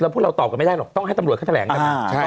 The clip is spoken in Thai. พวกเราตอบกันไม่ได้หรอกต้องให้ตำรวจเขาแถลงกัน